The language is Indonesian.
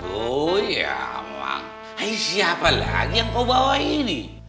oh ya emang siapa lagi yang kau bawa ini